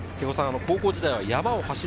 高校時代は山を走る